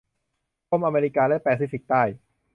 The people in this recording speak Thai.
กรมอเมริกาและแปซิฟิกใต้